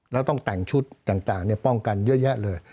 แล้วต้องแต่งชุดต่างป้องกันเยอะแยะเลย